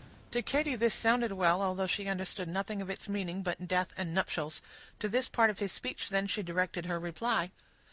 To Katy this sounded well, although she understood nothing of its meaning, but "death" and "nuptials." To this part of his speech, then, she directed her reply.